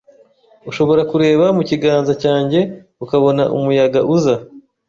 Ushobora kureba mu kiganza cyanjye ukabona umuyaga uza